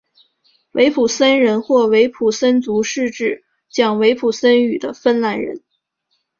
维普森人或维普森族是指讲维普森语的芬兰人。